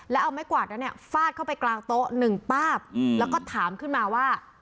แล้วเอาไม้กวาดนั้นเนี่ยฟาดเข้าไปกลางโต๊ะหนึ่งป้าบแล้วก็ถามขึ้นมาว่า